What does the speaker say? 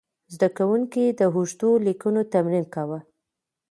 زده کوونکي د اوږدو لیکنو تمرین کاوه.